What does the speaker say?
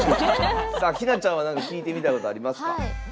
ひなちゃんは聞いてみたいことありますか？